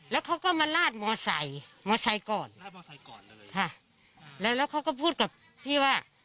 แล้วเขาก็มาลาดมอเตอร์ไซเตอร์ก่อน